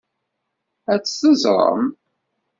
Ad teẓrem.